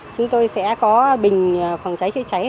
chúng tôi sẽ có bình phòng cháy chữa cháy